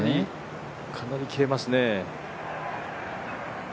かなり切れますね。